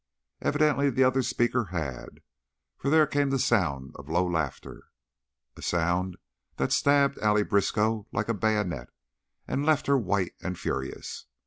Evidently the other speaker had, for there came the sound of low laughter, a sound that stabbed Allie Briskow like a bayonet and left her white and furious.